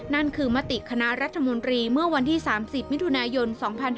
นั่นคือมติคณะรัฐมนตรีเมื่อวันที่๓๐มิถุนายน๒๕๕๙